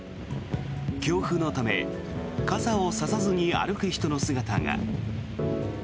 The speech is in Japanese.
強風のため傘を差さずに歩く人の姿が。